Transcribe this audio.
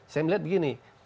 saya melihat begini